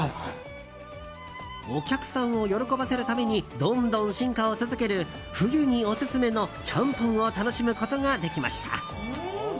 お客さんを喜ばせるためにどんどん進化を続ける冬にオススメのちゃんぽんを楽しむことができました。